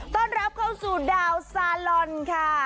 ต้อนรับเข้าสู่ดาวซาลอนค่ะ